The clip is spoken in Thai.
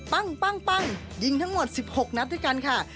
ปั้งยิงทั้งหมด๑๖นัดด้วยกันค่ะ